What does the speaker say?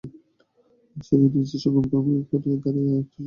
সেদিন নিজের সঙ্গে মুখামুখি করিয়া দাঁড়াইবার একটা সুযোগ দৈবাৎ তার জুটিয়াছিল।